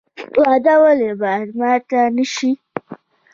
وعده ولې باید ماته نشي؟